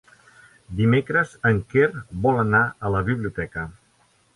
Dimecres en Quer vol anar a la biblioteca.